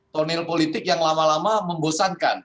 tonil politik yang lama lama membosankan